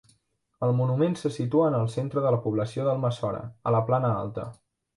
El monument se situa en el centre de la població d'Almassora, a la Plana Alta.